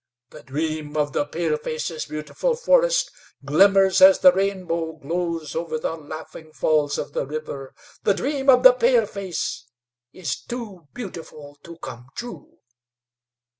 The dream of the palefaces' beautiful forest glimmers as the rainbow glows over the laughing falls of the river. The dream of the paleface is too beautiful to come true.